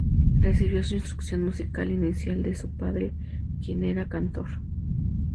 Recibió su instrucción musical inicial de su padre, quien era "cantor".